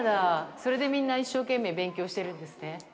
それでみんな一生懸命、勉強してるんですね。